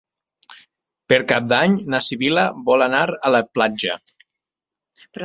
Per Cap d'Any na Sibil·la vol anar a la platja.